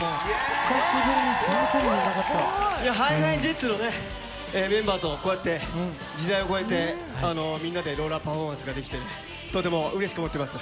久しぶりに全然見えなかった。ＨｉＨｉＪｅｔｓのメンバーとこうやって時代を超えてみんなでローラーパフォーマンスができて、とてもうれしく思っています。